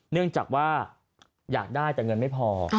เนื่องจากว่าอยากได้แต่เงินไม่พอ